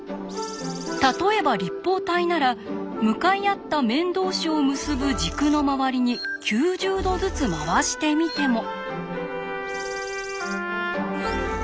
例えば立方体なら向かい合った面同士を結ぶ軸の周りに９０度ずつ回してみても。